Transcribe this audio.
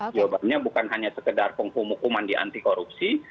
jawabannya bukan hanya sekedar penghumuman di anti korupsi